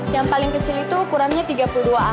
yang paling kecil itu ukurannya tiga puluh dua a